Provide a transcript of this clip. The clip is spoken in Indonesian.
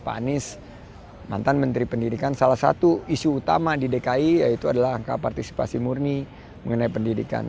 pak anies mantan menteri pendidikan salah satu isu utama di dki yaitu adalah angka partisipasi murni mengenai pendidikan